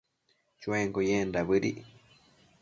Chuenquio yendac bëdic